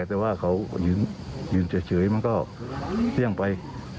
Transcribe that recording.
แต่ว่าเขายืนเฉยมันก็เลี่ยงไป